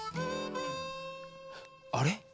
あれ？